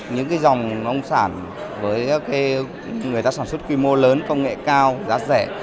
những dòng nông sản với người ta sản xuất quy mô lớn công nghệ cao giá rẻ